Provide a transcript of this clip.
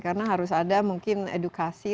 karena harus ada mungkin edukasi